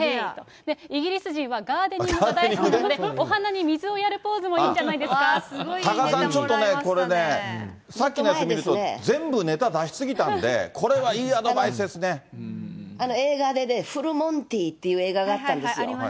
イギリス人はガーデニングが大好きなんで、お花に水をやるポーズもいいんじ多賀さん、ちょっとね、これね、さっきのやつ見ると、全部ネタ出し過ぎたんで、これはいいア映画でね、フルモンティっていう映画があったんですよ。